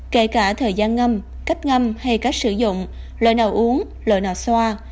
kể cả thời gian ngâm cách ngâm hay cách sử dụng loại nào uống lợn nào xoa